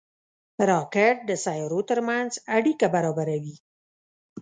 راکټ د سیارو ترمنځ اړیکه برابروي